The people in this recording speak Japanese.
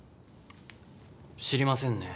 知りませんね。